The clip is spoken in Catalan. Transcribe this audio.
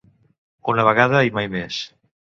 Una vegada i mai més.